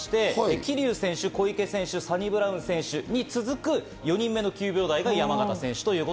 桐生選手、小池選手、サニブラウン選手に続く４人目の９秒台が山縣選手。